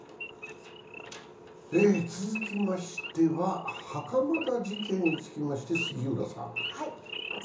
続きましては袴田事件につきまして、杉浦さん。